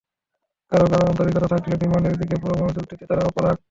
কারও কারও আন্তরিকতা থাকলেও বিমানের দিকে পুরো মনোযোগ দিতে তারা অপারগ।